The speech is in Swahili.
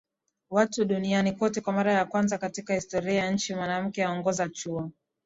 watu duniani koteKwa Mara ya Kwanza katika Historia ya Nchi Mwanamke Aongoza Chuo